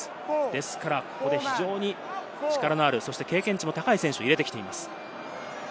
ですから非常に力のある経験値も高い選手をここで入れてきています。